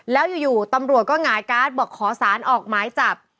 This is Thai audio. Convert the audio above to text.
แล้วอยู่ตำรวจก็หงายการ์ดบอกขอสารออกหมายจับ